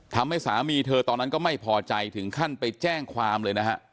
ทำให้สามีเธอตอนนั้นก็ไม่พอใจถึงขั้นไปแจ้งความเลยนะฮะ